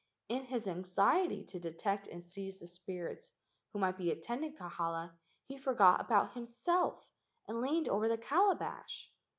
In his anxiety to detect and seize the spirits who might be attending Kahala he forgot about himself and leaned over the calabash.